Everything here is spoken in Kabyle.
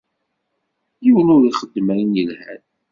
Yiwen ur ixeddem ayen yelhan.